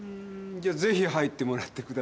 じゃあぜひ入ってもらってください。